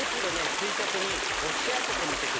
垂直に押し当ててみてください。